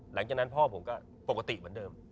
หลังจากนั้นพ่อผมก็ปกติเหมือนเดิม